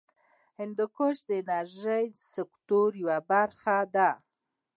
هندوکش د انرژۍ سکتور یوه برخه ده.